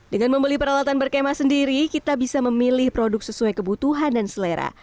dengan membeli peralatan berkemah sendiri kita bisa memilih produk sesuai kebutuhan dan selera